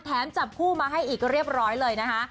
จับคู่มาให้อีกเรียบร้อยเลยนะคะ